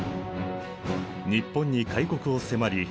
日本に開国を迫り